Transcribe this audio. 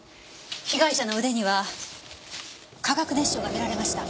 被害者の腕には化学熱傷が見られました。